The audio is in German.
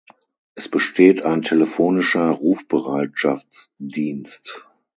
Es besteht ein telefonischer Rufbereitschaftsdienst.